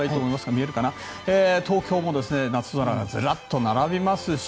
東京も夏空がざざっと並びますし。